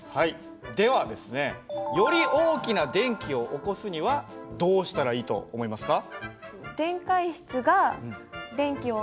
ではですねより大きな電気を起こすにはどうしたらいいと思いますか？